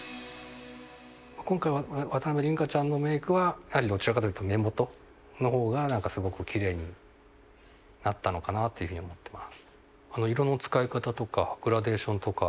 今回渡辺倫果ちゃんのメイクはやはりどちらかというと目元の方がなんかすごくキレイになったのかなっていう風に思ってます。